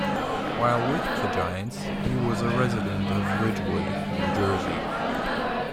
While with the Giants, he was a resident of Ridgewood, New Jersey.